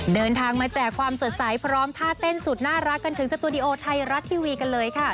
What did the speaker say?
เดินทางมาแจกความสดใสพร้อมท่าเต้นสุดน่ารักกันถึงสตูดิโอไทยรัฐทีวีกันเลยค่ะ